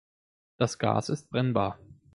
Das Gas ist brennbar.